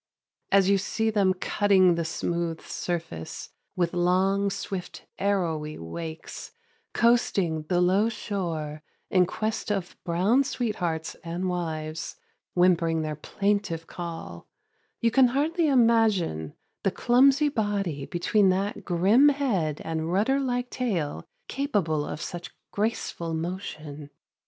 As you see them cutting the smooth surface with long, swift, arrowy wakes, coasting the low shore in quest of brown sweethearts and wives, whimpering their plaintive call, you can hardly imagine the clumsy body between that grim head and rudder like tail capable of such graceful motion.